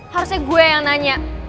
harusnya gue yang nanya